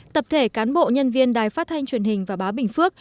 tập thể cán bộ nhân viên đài phát thanh truyền hình và báo bình phước